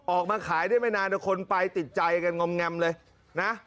ออกมาขายได้ไม่นานคนไปติดใจกันงอมแงมเลยนะ